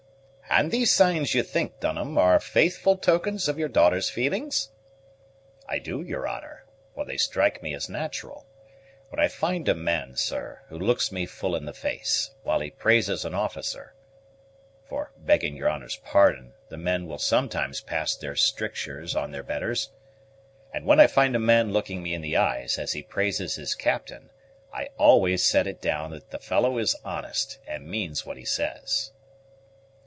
"Hum! and these signs, you think, Dunham, are faithful tokens of your daughter's feelings?" "I do, your honor, for they strike me as natural. When I find a man, sir, who looks me full in the face, while he praises an officer, for, begging your honor's pardon, the men will sometimes pass their strictures on their betters, and when I find a man looking me in the eyes as he praises his captain, I always set it down that the fellow is honest, and means what he says."